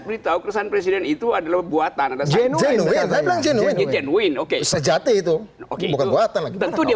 berita keresahan presiden itu adalah buatan genuin oke sejati itu oke buatan tentunya